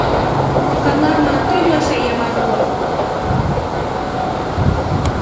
Kangʼamaa twenywa shai ya marua.